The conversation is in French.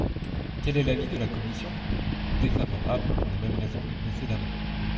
Quel est l’avis de la commission ? Défavorable, pour les mêmes raisons que précédemment.